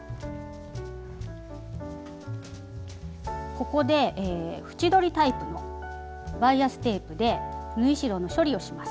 ここで縁取りタイプのバイアステープで縫い代の処理をします。